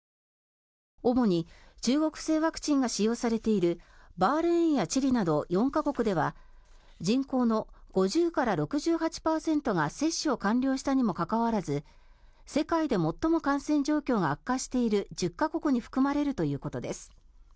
主に中国製ワクチンが使用されているバーレーンやチリなど４か国では人口の５０６８％が接種を完了したにもかかわらず世界で最も感染状況が悪化している１０か国に含まれるということです。